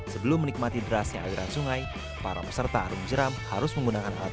sebelum menikmati derasnya aliran sungai para peserta arung jeram harus menggunakan alat